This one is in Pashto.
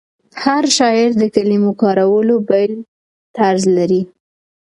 هر شاعر د کلمو کارولو بېل طرز لري.